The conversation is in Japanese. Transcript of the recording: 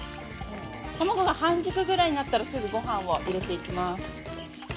◆卵が半熟ぐらいになったら、すぐ、ごはんを入れていきます。